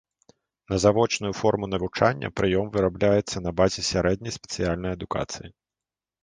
На завочную форму навучання прыём вырабляецца на базе сярэдняй спецыяльнай адукацыі.